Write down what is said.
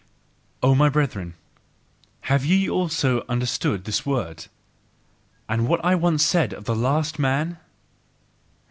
O my brethren, have ye also understood this word? And what I once said of the "last man"?